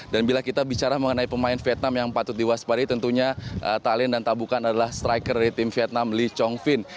dan bila kita bicara mengenai pemain vietnam yang patut diwaspadai tentunya talian dan tabukan adalah striker dari tim vietnam lee chong fin